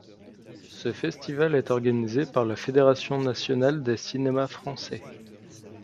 Ce festival est organisé par la Fédération nationale des cinémas français.